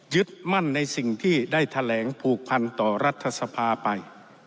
ยึดมั่นในสิ่งที่ได้แถลงผูกพันต่อรัฐสภาไป